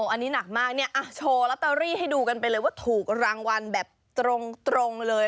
อันนี้หนักมากเนี่ยโชว์ลอตเตอรี่ให้ดูกันไปเลยว่าถูกรางวัลแบบตรงเลย